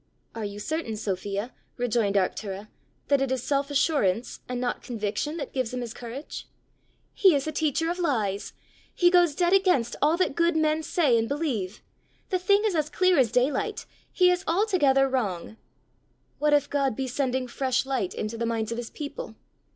"Are you certain, Sophia," rejoined Arctura, "that it is self assurance, and not conviction that gives him his courage?" "He is a teacher of lies! He goes dead against all that good men say and believe! The thing is as clear as daylight: he is altogether wrong!" "What if God be sending fresh light into the minds of his people?"